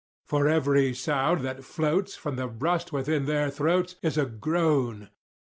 For every sound that floats From the rust within their throats Is a groan.